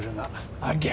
ありゃ。